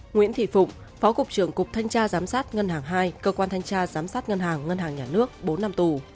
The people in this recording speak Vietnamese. nguyễn thị phụng phó cục trưởng cục thanh tra giám sát ngân hàng hai cơ quan thanh tra giám sát ngân hàng ngân hàng nhà nước bốn năm tù